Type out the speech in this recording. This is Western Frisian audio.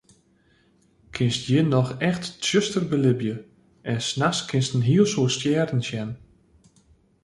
Kinst hjir noch echt tsjuster belibje en nachts kinst in hiel soad stjerren sjen.